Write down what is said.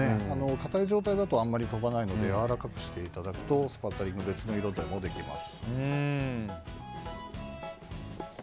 かたい状態だとあんまり飛ばないのでやわらかくしていただくとスパッタリングを別の色でもできます。